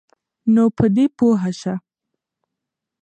نو په دی پوهه شه